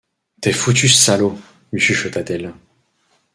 T’es foutu, salaud, lui chuchota-t-elle.